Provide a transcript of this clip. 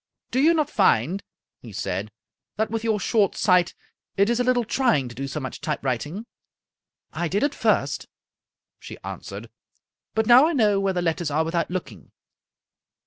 " Do you not find," he said, " that with your short sight it is ^ little tryjng to do so much typewriting? "" I did at first," she answered, " but now I know where the letters are without looking."